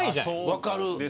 分かる。